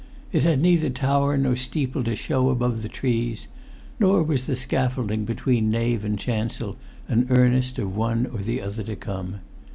It had neither tower nor steeple to show above the trees; nor was the scaffolding between nave and chancel an earnest of one or the other to come.